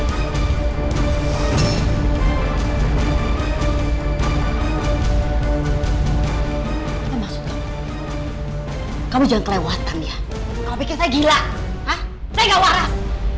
apa maksud kamu kamu jangan kelewatan ya kalau pikir saya gila saya gak waras